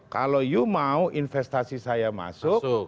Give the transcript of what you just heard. kalau you mau investasi saya masuk